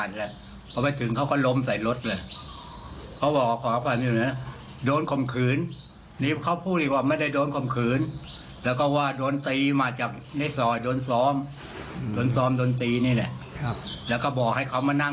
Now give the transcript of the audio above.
แล้วก็บอกให้เขามานั่งหล่อที่ตาราเดี๋ยวจะมีพระเขาออกไป